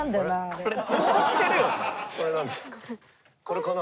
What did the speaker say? これなんですか？